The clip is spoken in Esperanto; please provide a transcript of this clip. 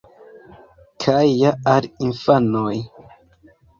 Kaj ja al infanoj!